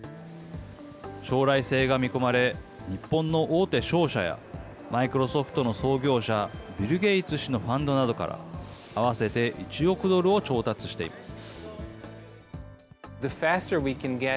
将来性が見込まれ、日本の大手商社やマイクロソフトの創業者、ビル・ゲイツ氏のファンドなどから、合わせて１億ドルを調達しています。